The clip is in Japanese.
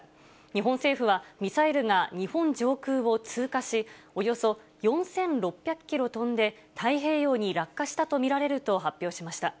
日本政府はミサイルが日本上空を通過し、およそ４６００キロ飛んで、太平洋に落下したと見られると発表しました。